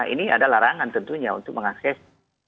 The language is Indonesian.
ini ada larangan tentunya untuk mengakses